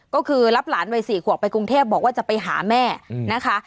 ก็คือรับหลานวัย๔ขวบไปกรุงเทพบอกว่าจะไปหาแม่นะคะ